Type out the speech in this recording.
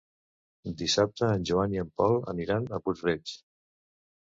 Dissabte en Joan i en Pol aniran a Puig-reig.